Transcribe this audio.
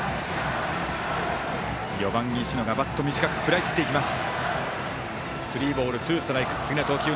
４番、石野がバット短く食らいついていきます。